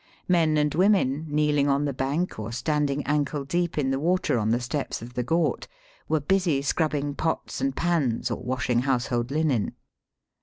Men and women, kneeling on the bank or standing ankle deep in the water on the steps of the ghat, were busy scrubbing pots and pans or washing household linen.